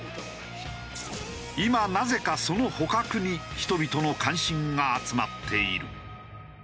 今なぜかその捕獲に人々の関心が集まっている。